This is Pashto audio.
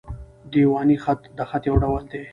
دېواني خط؛ د خط یو ډول دﺉ.